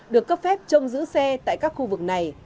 được cấp phép trông giữ xe tại các khu vực này